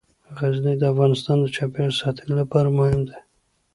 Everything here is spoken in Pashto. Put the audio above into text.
غزني د افغانستان د چاپیریال ساتنې لپاره مهم دي.